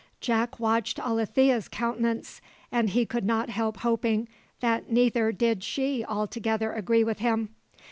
Jack watched Alethea's countenance, and he could not help hoping that neither did she altogether agree with him.